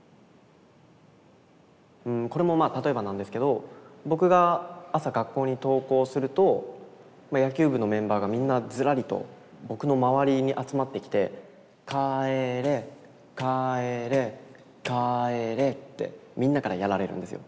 うんこれもまあ例えばなんですけど僕が朝学校に登校するとまあ野球部のメンバーがみんなずらりと僕の周りに集まってきて「帰れ帰れ帰れ」ってみんなからやられるんですよ。